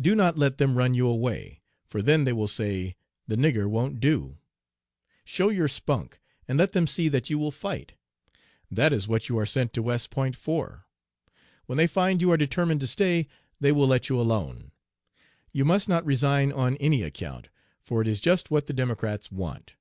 Do not let them run you away, for then they will say, the "nigger" won't do. Show your spunk, and let them see that you will fight. That is what you are sent to West Point for. When they find you are determined to stay, they will let you alone. You must not resign on any account, for it is just what the Democrats want.